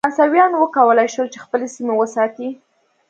فرانسویانو وکولای شول چې خپلې سیمې وساتي.